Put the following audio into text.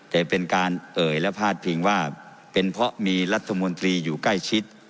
แต่เป็นการเอ่ยและพาดพิงว่าเป็นเพราะมีรัฐมนตรีอยู่ใกล้ชิด